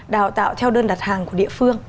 đào tạo theo đơn đặt hàng của địa phương